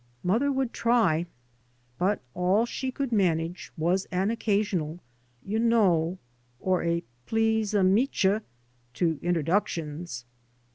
Mother would try, but all she could manage was an occasional " You know " or a " plees ameecha " to introductions.